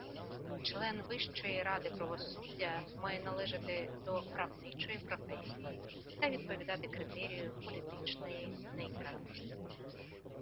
Член Вищої ради правосуддя має належати до правничої професії та відповідати критерію політичної нейтральності.